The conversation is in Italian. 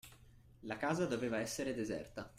La casa doveva essere deserta